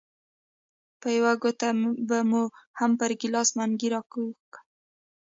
په یوه ګوته به مو هم پر ګیلاس منګی راکوږ کړ.